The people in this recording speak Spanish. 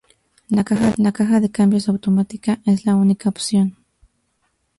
La caja de cambios automática es la única opción.